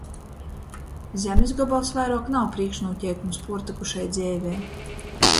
Zemis gobols vairuok nav prīkšnūteikums puortykušai dzeivei.